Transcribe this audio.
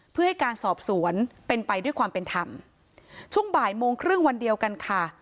เพื่อให้การสอบสวนเป็นไปด้วยความเป็นธรรมช่วงบ่ายโมงครึ่งวันเดียวกันค่ะ